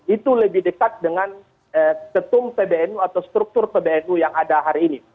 itu lebih dekat dengan ketum pbnu atau struktur pbnu yang ada hari ini